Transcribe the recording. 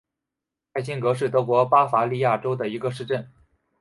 泰辛格是德国巴伐利亚州的一个市镇。